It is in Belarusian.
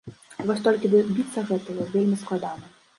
Вось толькі дабіцца гэтага вельмі складана.